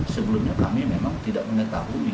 sebelumnya kami memang tidak mengetahui